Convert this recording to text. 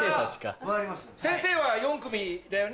先生は４組だよね？